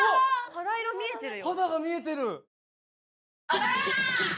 肌色見えてるよ